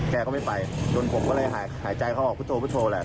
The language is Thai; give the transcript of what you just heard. แกก็ไม่ไปจนผมก็เลยหายหายใจเขาออกพุทโทพุทโทแหละ